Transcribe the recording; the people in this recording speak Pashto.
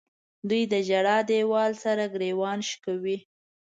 دوی د ژړا دیوال سره ګریوان شکوي.